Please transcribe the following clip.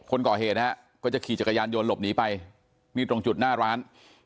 คนก่อเหตุนะฮะก็จะขี่จักรยานยนต์หลบหนีไปนี่ตรงจุดหน้าร้าน